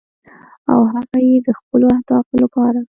او هغه یې د خپلو اهدافو لپاره